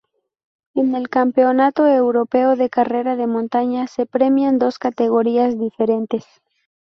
En el Campeonato Europeo de Carrera de Montaña se premian dos categorías diferentes.